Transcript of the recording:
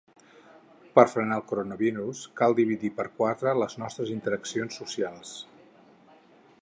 Per a frenar el coronavirus cal dividir per quatre les nostres interaccions socials.